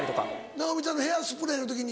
直美ちゃんの『ヘアスプレー』の時に。